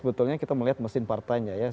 betulnya kita melihat mesin partanya ya